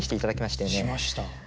しました。